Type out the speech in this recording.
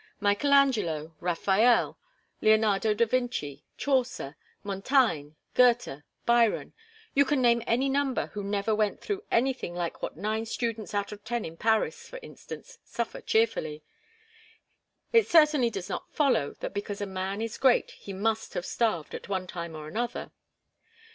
Michael Angelo, Raphael, Leonardo da Vinci, Chaucer, Montaigne, Goethe, Byron you can name any number who never went through anything like what nine students out of ten in Paris, for instance, suffer cheerfully. It certainly does not follow that because a man is great he must have starved at one time or another.